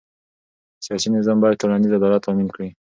سیاسي نظام باید ټولنیز عدالت تأمین کړي